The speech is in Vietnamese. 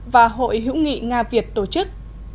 và hội hữu nghị nga việt tổ chức